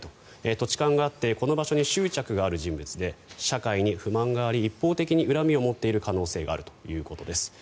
土地勘があってこの場所に執着がある人物で社会に不満があり一方的に恨みを持っている可能性があるということです。